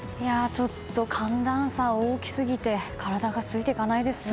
ちょっと寒暖差が大きすぎて体がついていかないですね。